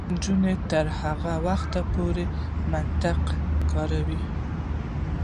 نجونې به تر هغه وخته پورې منطق کاروي.